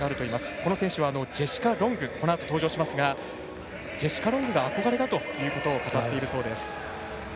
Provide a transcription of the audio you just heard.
この選手はジェシカ・ロングこのあと登場しますがジェシカ・ロングが憧れだということを語っているそうです。